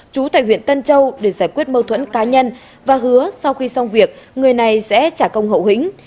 chú tại huyện tân châu để giải quyết mâu thuẫn cá nhân và hứa sau khi xong việc người này sẽ trả công hậu hĩnh